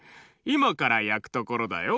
いまからやくところだよ。